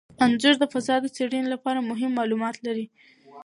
انځور د فضا د څیړنې لپاره مهم معلومات لري.